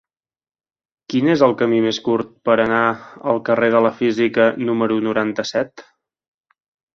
Quin és el camí més curt per anar al carrer de la Física número noranta-set?